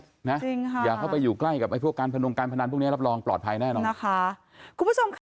จริงค่ะอย่าเข้าไปอยู่ใกล้กับพวกการพนมการพนันพวกนี้รับรองปลอดภัยแน่นอนนะคะ